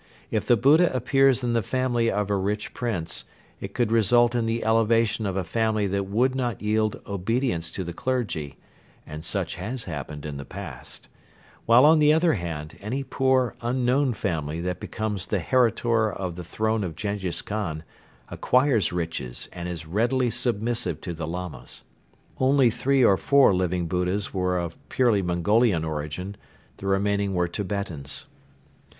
If the Buddha appears in the family of a rich prince, it could result in the elevation of a family that would not yield obedience to the clergy (and such has happened in the past), while on the other hand any poor, unknown family that becomes the heritor of the throne of Jenghiz Khan acquires riches and is readily submissive to the Lamas. Only three or four Living Buddhas were of purely Mongolian origin; the remainder were Tibetans.